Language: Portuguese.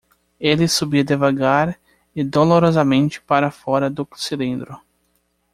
Ele subia devagar e dolorosamente para fora do cilindro.